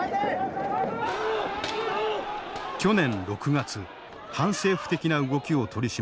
去年６月反政府的な動きを取り締まる